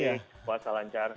kabar baik puasa lancar